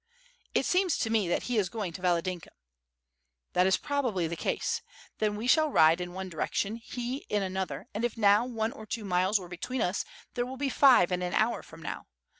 "It seems to me, that he is going to Valadynka." "That is probably the case. Then we shall ride in one direction, he in another, and if now one or two miles were between us, there will be five in an hour from now.